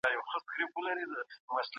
افغانان او تاجکان کوم ګډ کلتوري ارزښتونه لري؟